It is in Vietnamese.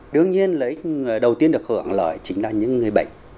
đương nhiên lợi ích đầu tiên được hưởng lợi chính là những người bệnh